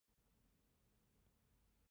下关穴是属于足阳明胃经的腧穴。